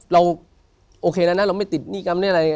เราโอเคแล้วนะเราไม่ติดหนี้กรรมนี่อะไร